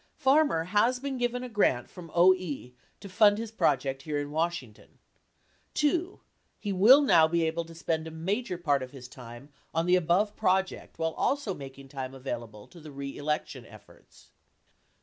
Farmer has been given a grant from OE to fund his project here in Washington. 2. He will now be able to spend a major part of his time on the above project while also making time available to the re election efforts.